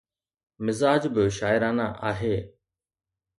مزاج به شاعرانه آهي.